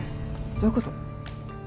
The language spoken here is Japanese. どういうこと？